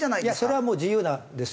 それはもう自由なんですよ。